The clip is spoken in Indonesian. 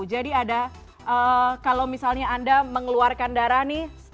jadi ada kalau misalnya anda mengeluarkan darah nih